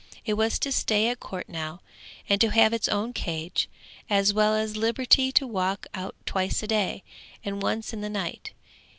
It was to stay at court now, and to have its own cage, as well as liberty to walk out twice a day, and once in the night.